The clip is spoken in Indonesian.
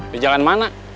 di jalan mana